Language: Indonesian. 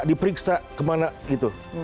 diperiksa kemana gitu